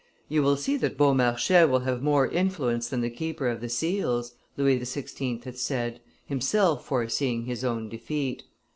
"You will see that Beaumarchais will have more influence than the keeper of the seals," Louis XVI. had said, himself foreseeing his own defeat.